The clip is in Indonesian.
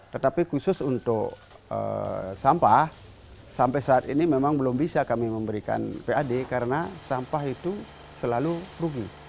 tetapi khusus untuk sampah sampai saat ini memang belum bisa kami memberikan pad karena sampah itu selalu rugi